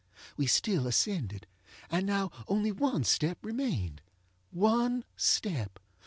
We still ascended, and now only one step remained. One step!